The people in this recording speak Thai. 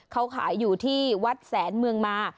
เขาขายอยู่ที่วัดแสนเมืองมา